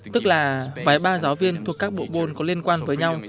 tức là vài ba giáo viên thuộc các bộ bôn có liên quan với nhau